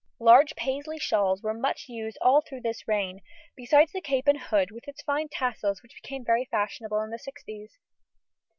Large Paisley shawls were much used all through this reign, besides the cape and hood with its fine tassels which became very fashionable in the sixties.